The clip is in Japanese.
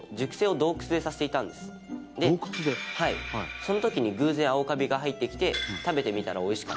その時に偶然青カビが生えてきて食べてみたらおいしかったっていう風に。